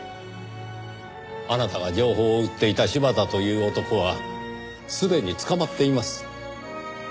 あなたが情報を売っていた柴田という男はすでに捕まっています。